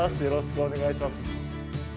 よろしくお願いします。